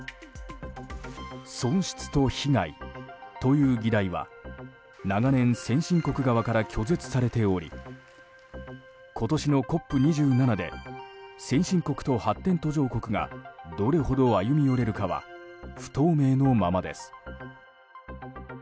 損失と被害という議題は長年、先進国側から拒絶されており今年のＣＯＰ２７で先進国と発展途上国がどれほど歩み寄れるかは不透明のままです。